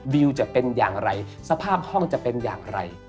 วิวจะเป็นอย่างไรสภาพห้องจะเป็นอย่างไร